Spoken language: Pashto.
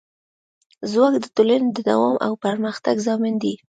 ځواک د ټولنې د دوام او پرمختګ ضامن دی.